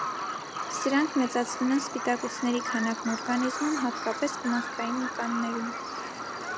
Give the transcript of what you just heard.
Սրանք մեծացնում են սպիտակուցների քանակն օրգանիզմում, հատկապես՝ կմախքային մկաններում։